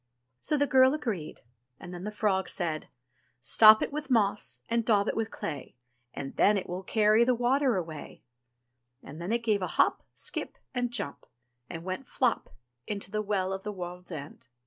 So the girl agreed, and then the frog said : "Stop it with moss and daub it with clay. And then it will carry the water away"; and then it gave a hop, skip, and jump, and went flop into the Well of the World's End.